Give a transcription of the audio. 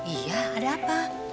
iya ada apa